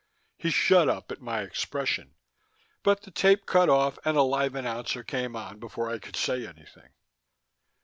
He shut up at my expression, but the tape cut off and a live announcer came on before I could say anything.